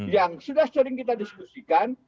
yang sudah sering kita diskusikan